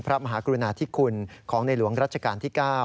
พระมหากรุณาธิคุณของในหลวงรัชกาลที่๙